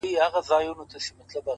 مجرم د غلا خبري پټي ساتي.